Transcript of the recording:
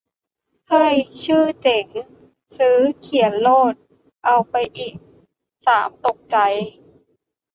เฮ้ย ชื่อเจ๋ง ! ซื้อ ! เขียนโลด ! เอาไปอีกสามตกใจ !